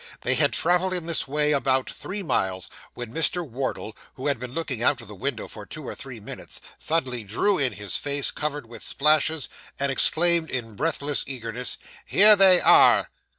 They had travelled in this way about three miles, when Mr. Wardle, who had been looking out of the Window for two or three minutes, suddenly drew in his face, covered with splashes, and exclaimed in breathless eagerness 'Here they are!